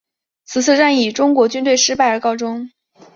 此次战役以中国军队失败而告终。